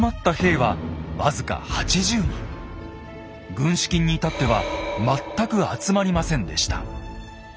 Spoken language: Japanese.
軍資金に至っては全く集まりませんでした。